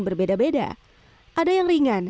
berbeda beda ada yang ringan